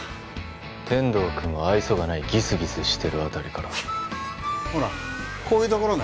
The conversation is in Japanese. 「天堂君は愛想がないギスギスしてる」あたりからほらこういうところね